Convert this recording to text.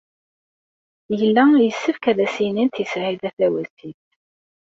Yella yessefk ad as-inint i Saɛida Tawasift.